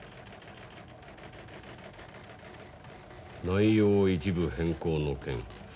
「内容一部変更の件